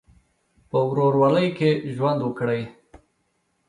په ورورولۍ کې ژوند وکړئ.